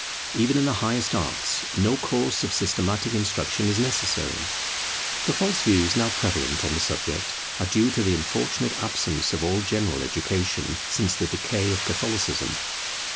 Even in the highest arts, no course of systematic instruction is necessary. The false views now prevalent on the subject are due to the unfortunate absence of all general education, since the decay of Catholicism.